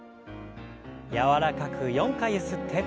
柔らかく４回ゆすって。